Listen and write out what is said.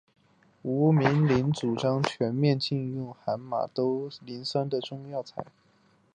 吴明铃主张全面禁用含马兜铃酸的中药材。